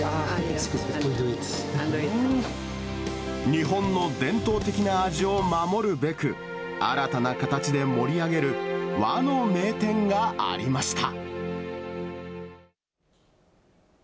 日本の伝統的な味を守るべく、新たな形で盛り上げる和の名店がありました。